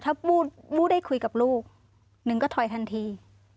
ถ้าบู้ได้คุยกับลูกหนึ่งก็ถอยทันที